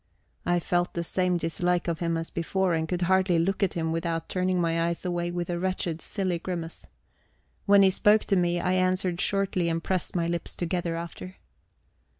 I felt the same dislike of him as before, and could hardly look at him without turning my eyes away with a wretched silly grimace. When he spoke to me, I answered shortly and pressed my lips together after.